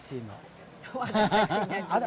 ada seksinya juga